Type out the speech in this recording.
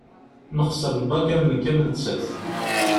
Nexser lbak am nekk am nettat.